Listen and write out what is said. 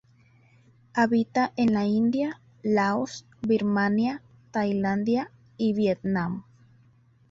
Habita en la India, Laos, Birmania, Tailandia y Vietnam.